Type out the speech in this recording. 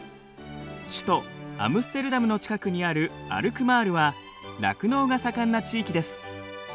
首都アムステルダムの近くにあるアルクマールは酪農が盛んな地域です。